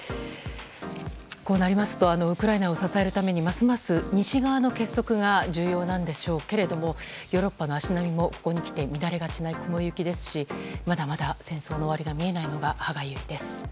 こうなりますと、ウクライナを支えるためにますます西側の結束が重要なんでしょうけれどもヨーロッパの足並みもここにきて乱れがちな雲行きですしまだまだ戦争の終わりが見えないのが歯がゆいです。